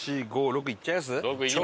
「６」いっちゃいます？